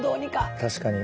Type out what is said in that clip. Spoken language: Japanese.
確かに。